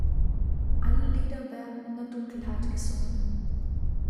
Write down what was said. Alle Lieder werden in der Dunkelheit gesungen.